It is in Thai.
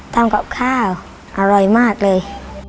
ทำกับข้าวอร่อยมากเลย